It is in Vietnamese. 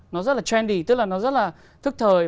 nó rất là trendy tức là nó rất là thức thời